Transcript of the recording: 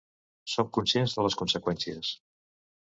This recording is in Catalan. Som conscients de les conseqüències.